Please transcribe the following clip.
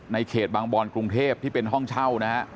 ในเขตบางบอนกรุงเทพฯที่เป็นห้องเช่า